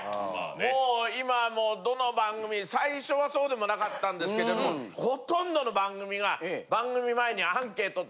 もう今もうどの番組最初はそうでもなかったんですけれどもほとんどの番組が番組前に。